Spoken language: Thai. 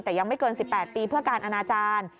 แต่ยังไม่เกิน๑๘ปีเพื่อการอนาจารย์